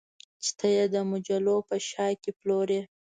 چې ته یې د مجلو په شا کې پلورې